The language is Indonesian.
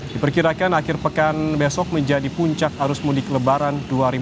diperkirakan akhir pekan besok menjadi puncak arus mudik lebaran dua ribu dua puluh